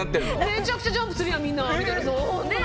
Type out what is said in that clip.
めちゃくちゃジャンプするやんみんなみたいな。えっ！？